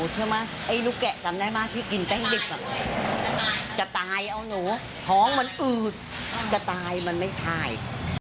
ท้องมันอืดแปลงจะตายมันไม่ชาย